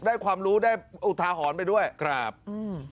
ความรู้ได้อุทาหรณ์ไปด้วยครับอืม